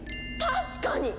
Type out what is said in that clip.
確かに！